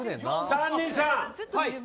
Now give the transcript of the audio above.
三人さん